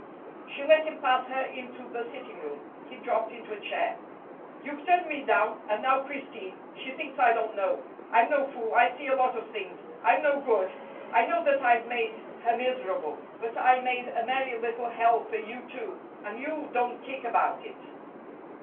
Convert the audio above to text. She let him pass her into the sitting room. He dropped into a chair. "You've turned me down, and now Christine she thinks I don't know. I'm no fool; I see a lot of things. I'm no good. I know that I've made her miserable. But I made a merry little hell for you too, and you don't kick about it."